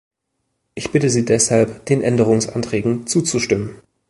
Ich bitte Sie deshalb, den Änderungsanträgen zuzustimmen.